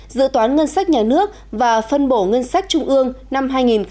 dự toán ngân sách nhà nước và phân bổ ngân sách trung ương năm hai nghìn một mươi chín